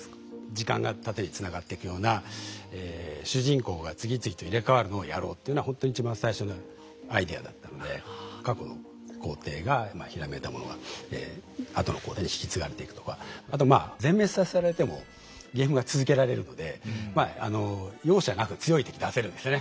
時間が縦につながっていくような主人公が次々と入れ代わるのをやろうっていうのはほんとに一番最初のアイデアだったので過去の皇帝が閃いたものが後の皇帝に引き継がれていくとかあとまあ全滅させられてもゲームが続けられるのでまああの容赦なく強い敵出せるんですね。